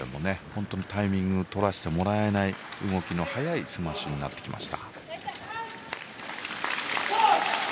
本当にタイミングをとらせてもらえない動きの速いスマッシュでした。